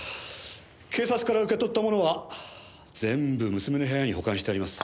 警察から受け取ったものは全部娘の部屋に保管してあります。